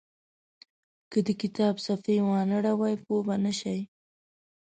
که د کتاب صفحې وانه ړوئ پوه به نه شئ.